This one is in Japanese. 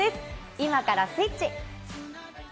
今からスイッチ。